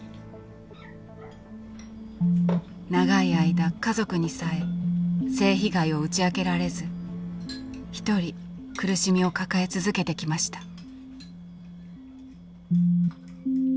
長い間家族にさえ性被害を打ち明けられず一人苦しみを抱え続けてきました。